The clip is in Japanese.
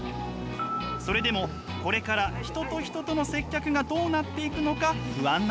それでもこれから人と人との接客がどうなっていくのか不安なのです。